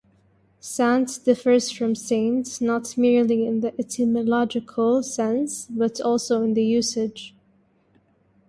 "Sant" differs from "saint" not merely in the etymological sense but also in usage.